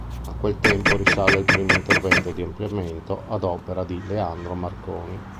A quel tempo risale il primo intervento di ampliamento ad opera di Leandro Marconi.